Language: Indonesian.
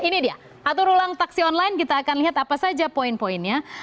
ini dia atur ulang taksi online kita akan lihat apa saja poin poinnya